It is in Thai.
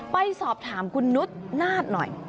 ไปสอบถามคุณนุษย์นาฏหน่อย